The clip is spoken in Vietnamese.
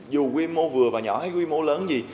dù quy mô vừa và nhỏ hay quy mô lớn gì